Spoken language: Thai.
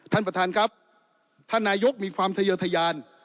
ท่านประธานครับท่านนายกมีความทะเยอะทะยาน